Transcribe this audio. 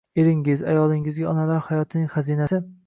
Eringiz, ayolingizga onalar hayotning xazinasi